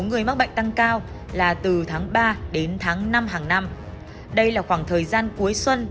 số người mắc bệnh tăng cao là từ tháng ba đến tháng năm hàng năm đây là khoảng thời gian cuối xuân